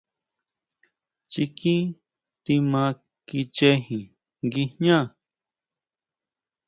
Chikin tima kichejin nguijñá.